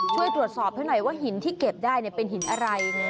ช่วยตรวจสอบให้หน่อยว่าหินที่เก็บได้เป็นหินอะไร